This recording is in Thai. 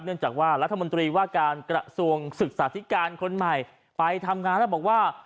จากว่ารัฐมนตรีว่าการกระทรวงศึกษาธิการคนใหม่ไปทำงานแล้วบอกว่า